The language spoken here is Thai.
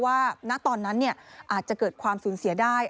ณตอนนั้นอาจจะเกิดความสูญเสียได้